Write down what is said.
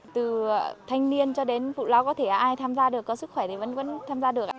từ thanh niên cho đến phụ lao có thể ai tham gia được có sức khỏe thì vẫn tham gia được ạ